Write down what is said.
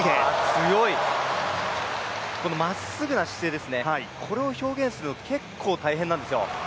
強い、このまっすぐな姿勢ですね、これを表現するの結構大変なんですよ。